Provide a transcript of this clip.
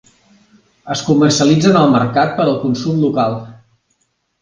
Es comercialitzen al mercat per al consum local.